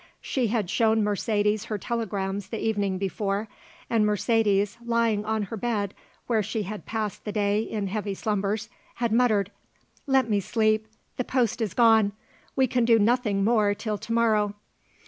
She had shown Mercedes her telegrams the evening before, and Mercedes, lying on her bed where she had passed the day in heavy slumbers, had muttered, "Let me sleep. The post is gone. We can do nothing more till to morrow."